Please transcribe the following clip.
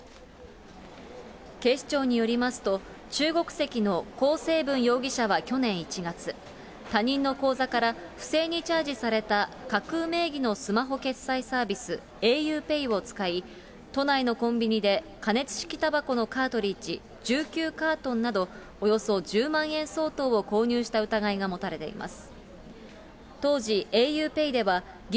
警視庁によりますと、中国籍のこうせいぶん容疑者は去年１月、他人の口座から不正にチャージされた架空名義のスマホ決済サービスａｕＰＡＹを使い、都内のコンビニで加熱式たばこのカートリッジ１９カートンなどおよそ１０万円相当を購入した疑いが持たれています。